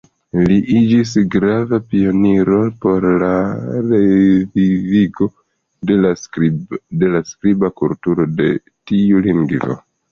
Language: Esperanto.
Li iĝis grava pioniro por la revivigo de la skriba kulturo de tiu lingvo.